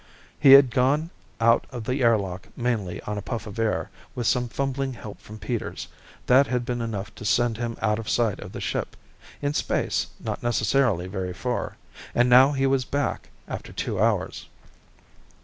He had gone out of the air lock mainly on a puff of air, with some fumbling help from Peters. That had been enough to send him out of sight of the ship in space, not necessarily very far and now he was back, after two hours.